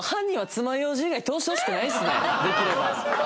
できれば。